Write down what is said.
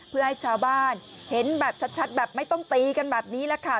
เพื่อให้ชาวบ้านเห็นแบบชัดแบบไม่ต้องตีกันแบบนี้แหละค่ะ